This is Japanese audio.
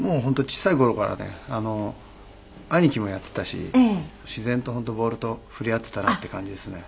小さい頃からね兄貴もやっていたし自然と本当ボールと触れ合っていたなっていう感じですね。